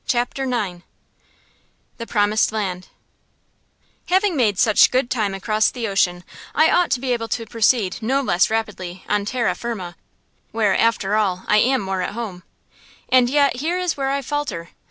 CHAPTER IX THE PROMISED LAND Having made such good time across the ocean, I ought to be able to proceed no less rapidly on terra firma, where, after all, I am more at home. And yet here is where I falter.